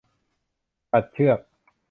ตัดเชือก